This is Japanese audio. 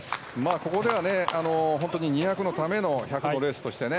ここでは２００のための１００のレースとしてね。